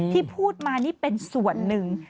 ที่พูดมานี่เป็นส่วนหนึ่ง